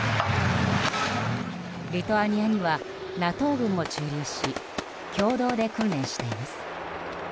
リトアニアにはＮＡＴＯ軍も駐留し共同で訓練しています。